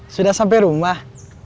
sudah sampai rumah